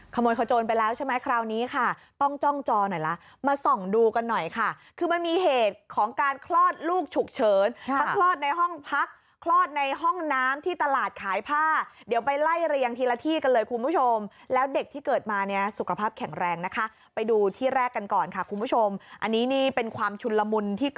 ขโมยขโจรไปแล้วใช่ไหมคราวนี้ค่ะต้องจ้องจอหน่อยละมาส่องดูกันหน่อยค่ะคือมันมีเหตุของการคลอดลูกฉุกเฉินทั้งคลอดในห้องพักคลอดในห้องน้ำที่ตลาดขายผ้าเดี๋ยวไปไล่เรียงทีละที่กันเลยคุณผู้ชมแล้วเด็กที่เกิดมาเนี่ยสุขภาพแข็งแรงนะคะไปดูที่แรกกันก่อนค่ะคุณผู้ชมอันนี้นี่เป็นความชุนละมุนที่ก